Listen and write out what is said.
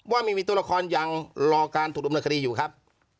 ว่าไม่มีตัวละครยังรอการถูกดำเนินคดีอยู่ครับ